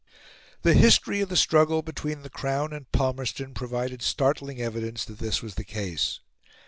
The history of the struggle between the Crown and Palmerston provided startling evidence that this was the case.